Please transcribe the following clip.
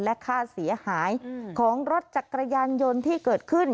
และค่าเสียหายของรถจักรยานยนต์ที่เกิดขึ้น